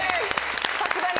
さすがに。